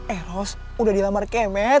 eh ros udah dilamar kemet